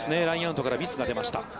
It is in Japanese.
ラインアウトからミスが出ました。